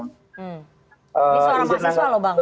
ini seorang mahasiswa loh bang